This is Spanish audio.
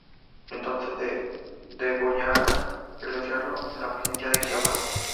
Entonces degollará el becerro en la presencia de Jehová;